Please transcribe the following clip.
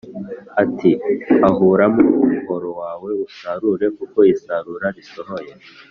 ati “Ahuramo umuhoro wawe, usarure kuko isarura risohoye,